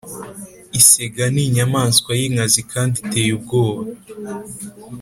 Isega n’inyamanswa yinkazi kandi iteye ubwoba